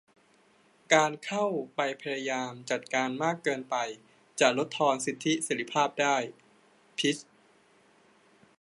การเข้าไปพยายามจัดการมากเกินไปจะลดทอนสิทธิเสรีภาพได้ - พิชญ์